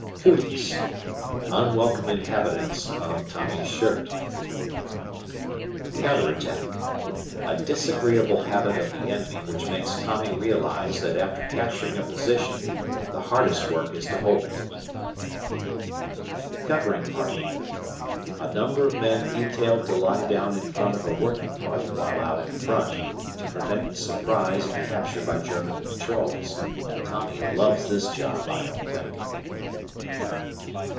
Cooties. Unwelcome inhabitants of Tommy's shirt. Counter Attack. A disagreeable habit of the enemy which makes Tommy realize that after capturing a position the hardest work is to hold it. Covering Party. A number of men detailed to lie down in front of a working party while "out in front" to prevent surprise and capture by German patrols. Tommy loves this job, I don't think!